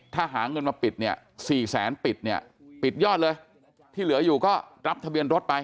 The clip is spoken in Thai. ถ้าหาเงินมาปิดเนี่ย๔แสนปิดเนี่ยปิดยอดเลยที่เหลืออยู่ก็รับทะเบียนรถไป